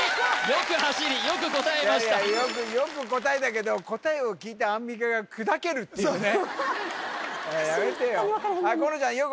よく答えたけど答えを聞いてアンミカが砕けるっていうねやめてよ